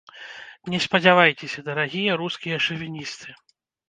Не спадзявайцеся, дарагія рускія шавіністы.